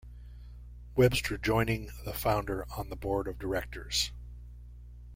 Webster joining the founder on the board of directors.